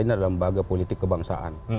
ini adalah lembaga politik kebangsaan